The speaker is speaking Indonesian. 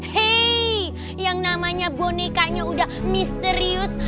hei yang namanya bonekanya udah misterius